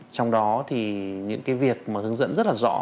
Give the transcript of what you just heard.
trong đó thì những cái việc mà hướng dẫn rất là rõ